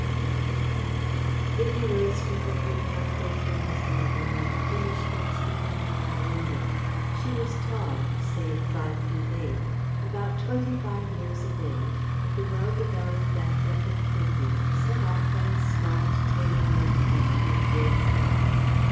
F.G. Vivie rose to her feet half way through this letter and finished it standing by the window. She was tall say, five feet eight; about twenty five years of age; with a well developed, athletic figure, set off by a smart, tailor made gown of grey cloth.